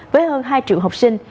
với hơn hai triệu học sinh